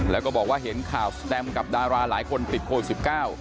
แล้วก็บอกว่าเห็นข่าวแสดงกับดาราหลายคนติดโคล๑๙